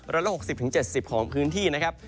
ละ๖๐๗๐ของพื้นที่นะครับ